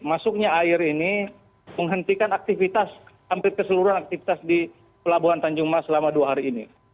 masuknya air ini menghentikan aktivitas hampir keseluruhan aktivitas di pelabuhan tanjung mas selama dua hari ini